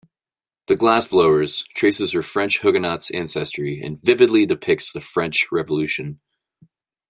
"The Glass-Blowers" traces her French Huguenot ancestry and vividly depicts the French Revolution.